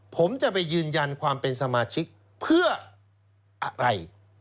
ผมจะไปยืนยันความเป็นสมาชิกเพื่ออะไร